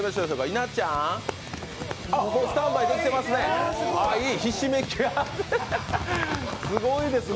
稲ちゃん、スタンバイできてますね